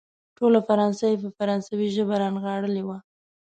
ټوله فرانسه يې په فرانسوي ژبه رانغاړلې وه.